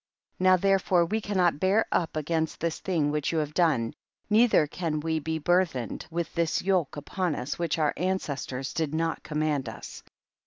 1 1 . Now therefore we cannot bear up against this thing which you have done, neither can we be burthened with this yoke upon us, which our ancestors did not command us.